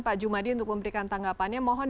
pak jumadi untuk memberikan tanggapannya mohon